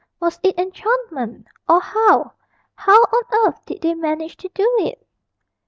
Was it enchantment, or how how on earth did they manage to do it?